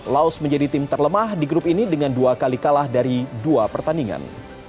laos menjadi tim terlemah di grup ini dengan dua kali kalah dari dua pertandingan